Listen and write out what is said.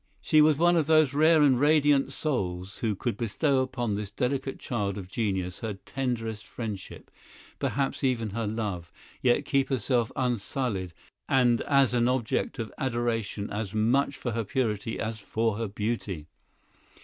She was one of those rare and radiant souls who could bestow upon this delicate child of genius her tenderest friendship, perhaps even her love, yet keep herself unsullied and an object of adoration as much for her purity as for her beauty.